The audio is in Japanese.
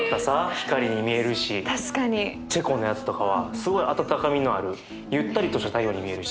チェコのやつとかはすごい温かみのあるゆったりとした太陽に見えるし。